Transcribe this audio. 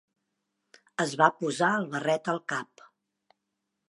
Es va posar el barret al cap.